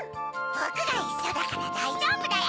ぼくがいっしょだからだいじょうぶだよ。